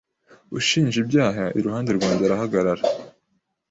Ushinja ibyaha iruhande rwanjye arahagarara